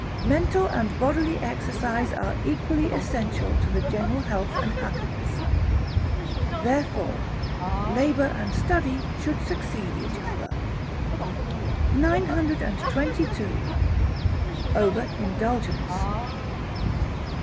Mental and bodily exercise are equally essential to the general health and happiness. Therefore, labour and study should succeed each other. 922. Over Indulgence.